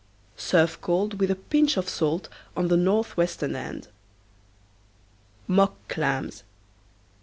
Serve cold with a pinch of salt on the northwestern end. MOCK CLAMS.